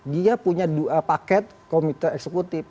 dia punya paket komite eksekutif